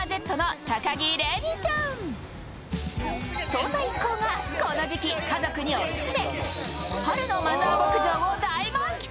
そんな一行がこの時期、家族にお勧め、春のマザー牧場を大満喫。